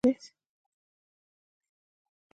ایا بواسیر لرئ؟